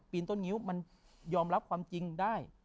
ต้นงิ้วมันยอมรับความจริงได้